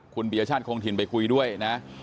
คุณปียชาติคงถิ่นไปคุยด้วยนะ